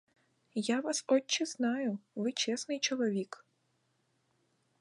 Я вас, отче, знаю, ви чесний чоловік.